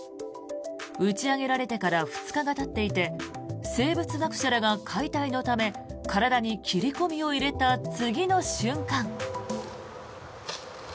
打ち上げられてから２日がたっていて生物学者らが解体のため体に切り込みを入れた次の瞬間。